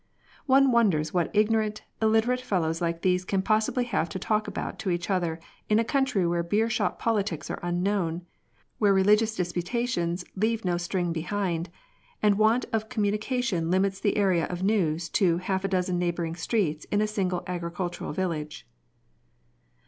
One wonders what ignorant, illiterate fellows like these can possibly have to talk about to each other in a country where beer shop politics are unknown, where religious disputations leave no sting behind, and want of communication limits the area of news to half a dozen neiorhbourinoj streets in a sino le ao ricultural village.